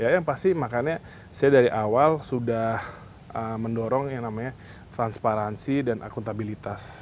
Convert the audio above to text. yang pasti makanya saya dari awal sudah mendorong yang namanya transparansi dan akuntabilitas